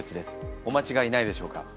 お間違えないでしょうか？